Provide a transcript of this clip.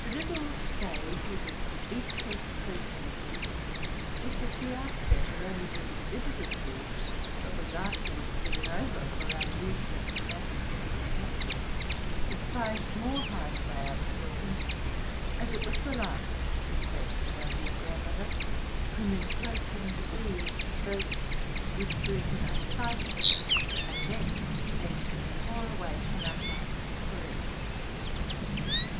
The little stage, with its speechless personages, which at the outset had only been exhibited to us, but was afterwards given over for our own use and dramatic vivification, was prized more highly by us children, as it was the last bequest of our good grandmother, whom encroaching disease first with drew from our sight, and death next tore away from our hearts forever.